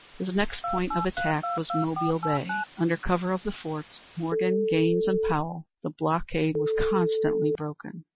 His next point of attack was Mobile Bay. Under cover of the forts, Morgan, Gaines, and Powell, the blockade was constantly broken.